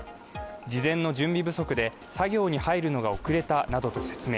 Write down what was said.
事前の準備不足で作業に入るのが遅れたなどと説明。